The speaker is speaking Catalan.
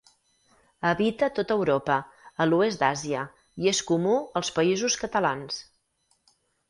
Habita tot Europa, a l'oest d'Àsia, i és comú als Països Catalans.